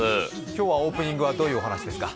今日はオープニングはどういうお話ですか。